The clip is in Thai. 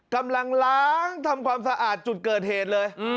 กำลังล้างทำความสะอาดจุดเกิดเหตุเลย